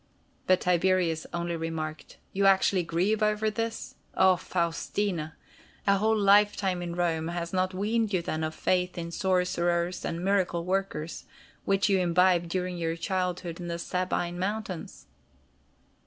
But Tiberius only remarked: "You actually grieve over this? Ah, Faustina! A whole lifetime in Rome has not weaned you then of faith in sorcerers and miracle workers, which you imbibed during your childhood in the Sabine mountains!"